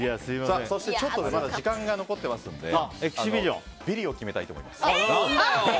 そしてまだ時間が残ってますのでビリを決めたいと思います。